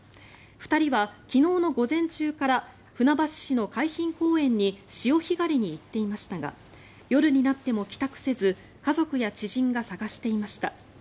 ２人は昨日の午前中から船橋市の海浜公園に潮干狩りに行っていましたが夜になっても帰宅せず家族や知人が捜していました。